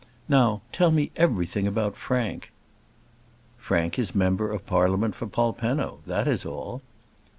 "Now tell me everything about Frank." "Frank is member of Parliament for Polpenno. That is all."